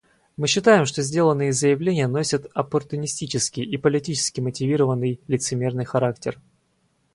Мы считаем, что сделанные заявления носят оппортунистический и политически мотивированный, лицемерный характер.